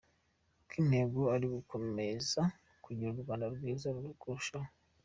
Kuko intego ari ugukomeza “kugira u Rwanda rwiza kurushaho.